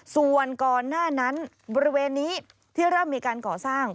ส่วนก่อนหน้านั้นบริเวณนี้ที่เริ่มมีการก่อสร้าง